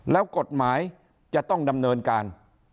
แล้วกฎหมายจะต้องดำเนินการ